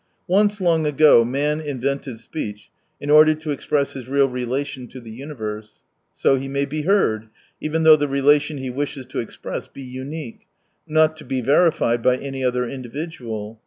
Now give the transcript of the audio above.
Once, long ago "man invented speech in order to express his real relation to the universe." So he may be heard, even though the relation he wishes to express be unique, not to verified by any other individual.